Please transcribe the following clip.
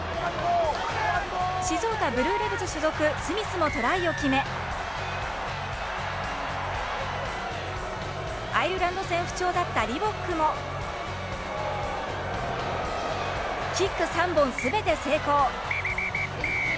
静岡ブルーレヴズ所属スミスもトライを決めアイルランド戦不調だったリボックもキック３本すべて成功。